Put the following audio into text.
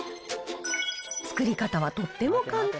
作り方はとっても簡単。